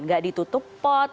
tidak ditutup pot